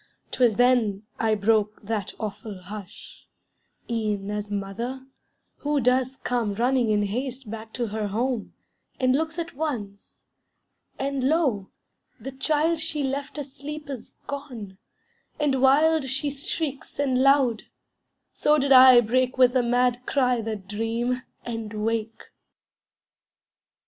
'Twas then I broke that awful hush: E'en as a mother, who does come Running in haste back to her home, And looks at once, and lo, the child She left asleep is gone; and wild She shrieks and loud so did I break With a mad cry that dream, and wake.